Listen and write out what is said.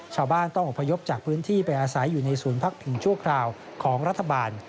ชาวบ้านต้องอบพยพจากพื้นที่ไปอาศัยอยู่ในศูนย์พักผิงชั่วคราวของรัฐบาล